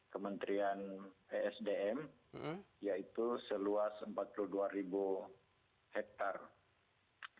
kementerian psdm yaitu seluas empat puluh dua ribu hektare